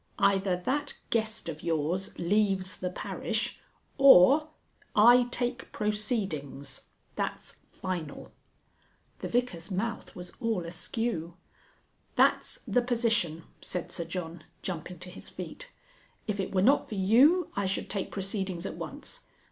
"Either that Guest of yours leaves the parish, or I take proceedings. That's final." The Vicar's mouth was all askew. "That's the position," said Sir John, jumping to his feet, "if it were not for you, I should take proceedings at once.